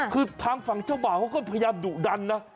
คือทางฝั่งเจ้าบ่าวเขาก็พยายามดุดันนะ